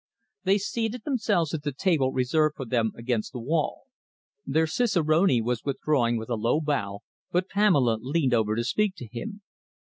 They seated themselves at the table reserved for them against the wall. Their cicerone was withdrawing with a low bow, but Pamela leaned over to speak to him.